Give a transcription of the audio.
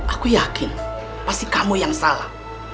aku yakin pasti kamu yang salah